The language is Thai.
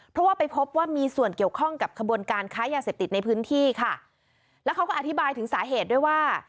เพราะว่าไปพบว่ามีส่วนเกี่ยวข้องกับขบวนการค้ายาเสพติดในพื้นที่ค่ะแล้วเขาก็อธิบายถึงสาเหตุด้วยว่า